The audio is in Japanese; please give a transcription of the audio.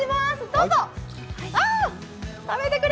どうぞ。